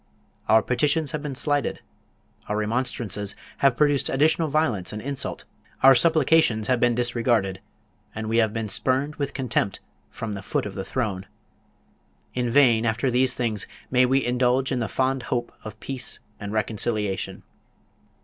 Our petitions have been slighted; our remonstrances have produced additional violence and insult; our supplications have been disregarded, and we have been spurned with contempt from the foot of the throne. In vain, after these things, may we indulge in the fond hope of peace and reconciliation.